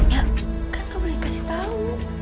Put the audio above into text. ya kan kamu boleh kasih tahu